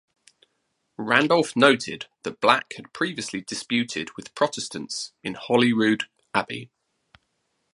Randolph noted that Black had previously disputed with Protestants in Holyrood Abbey.